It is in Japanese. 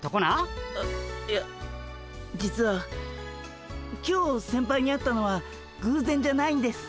えいや実は今日先輩に会ったのはぐうぜんじゃないんです。